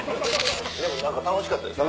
でも何か楽しかったです。